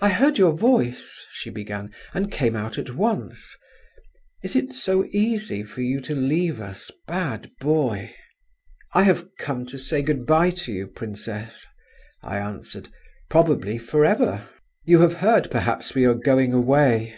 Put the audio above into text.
"I heard your voice," she began, "and came out at once. Is it so easy for you to leave us, bad boy?" "I have come to say good bye to you, princess," I answered, "probably for ever. You have heard, perhaps, we are going away."